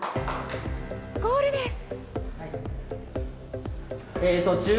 ゴールです！